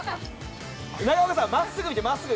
中岡さん、真っすぐ見て、真っすぐ。